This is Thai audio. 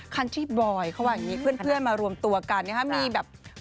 คันที่บอยเขาว่าอย่างนี้เพื่อนมารวมตัวกันนะครับมีแบบ